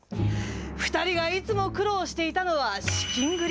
２人がいつも苦労していたのは資金繰り。